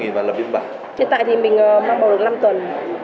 hiện tại thì mình mang bầu được năm tuần